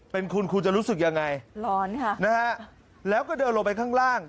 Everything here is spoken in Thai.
เป็นคุณคุณจะรู้สึกยังไงร้อนค่ะนะฮะแล้วก็เดินลงไปข้างล่าง